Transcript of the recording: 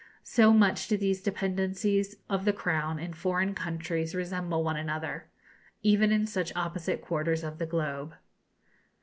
so much do these dependencies of the Crown in foreign countries resemble one another, even in such opposite quarters of the globe.